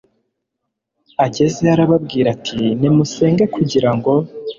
agezeyo arababwira ati nimusenge kugira ngo